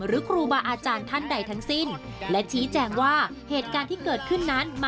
หรือกรูบาอาจารย์ท่านใดทั้งสิ้น